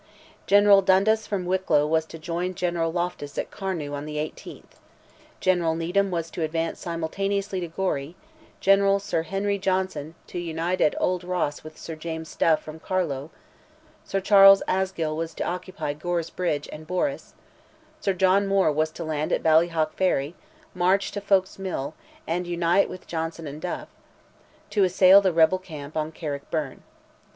General Dundas from Wicklow was to join General Loftus at Carnew on the 18th; General Needham was to advance simultaneously to Gorey; General Sir Henry Johnson to unite at Old Ross with Sir James Duff from Carlow; Sir Charles Asgill was to occupy Gore's bridge and Borris; Sir John Moore was to land at Ballyhack ferry, march to Foulke's Mill, and united with Johnson and Duff, to assail the rebel camp on Carrickbyrne.